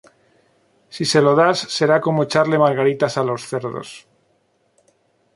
Si se lo das será como echarle margaritas a los cerdos